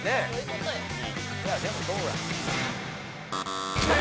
いやでもどうやろ？